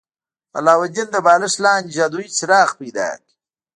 علاوالدین د بالښت لاندې جادويي څراغ پیدا کړ.